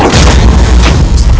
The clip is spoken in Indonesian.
apa yang kamu inginkan